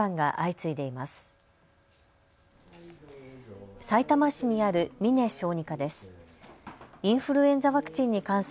さいたま市にある峯小児科です。